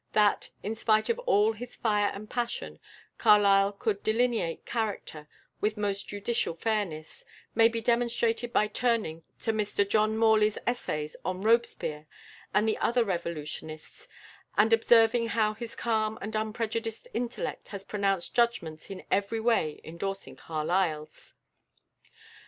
That, in spite of all his fire and passion, Carlyle could delineate character with most judicial fairness, may be demonstrated by turning to Mr John Morley's essays on Robespierre and the other revolutionists, and observing how his calm and unprejudiced intellect has pronounced judgments in every way endorsing Carlyle's.